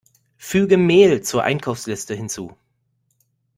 Füge Mehl zur Einkaufsliste hinzu!